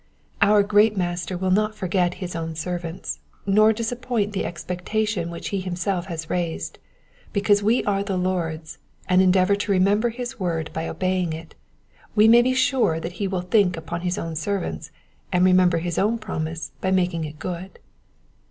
Our great Master will not forget his own servants, nor disappoint the ex Sectation which he himself has raised : because we are the Lord's, and en eavour to remember his word by obeying it, we may be sure that he will think upon his own servants, and remember his own promise by making it good.